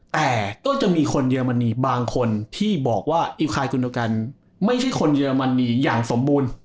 แต่ก็จะมีคนเยอะมันดีบางคนที่บอกว่าคุณลูกแกนไม่ใช่คนเยอะมันดีอย่างสมบูรณ์